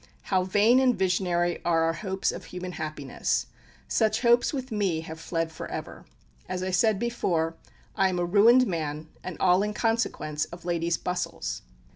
how vain and visionary are our hopes of human happiness: such hopes with me have fled for ever! As I said before, I am a ruined man, and all in consequence of ladies' bustles.